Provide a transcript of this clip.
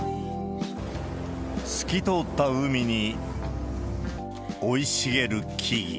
透き通った海に、生い茂る木々。